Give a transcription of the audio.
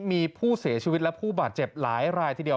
มีผู้เสียชีวิตและผู้บาดเจ็บหลายรายทีเดียว